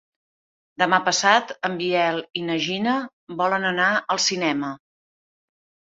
Demà passat en Biel i na Gina volen anar al cinema.